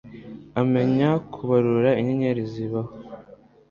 Amenya kubarura inyenyeri zibaho